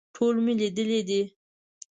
ټول مې لیدلي دي.